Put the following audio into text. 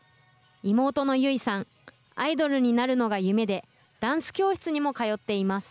妹の結衣さん、アイドルになるのが夢で、ダンス教室にも通っています。